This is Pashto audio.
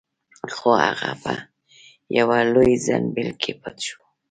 خو هغه په یوه لوی زنبیل کې پټ شو.